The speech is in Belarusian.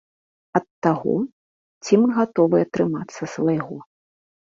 Ад таго, ці мы гатовыя трымацца свайго.